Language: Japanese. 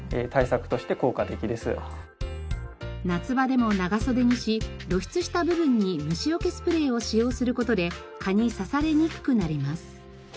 夏場でも長袖にし露出した部分に虫よけスプレーを使用する事で蚊に刺されにくくなります。